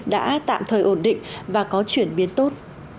đã tạm thời ổn định và có chuyển biến tốt